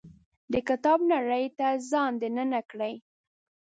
د کتاب نړۍ ته ځان دننه کړي.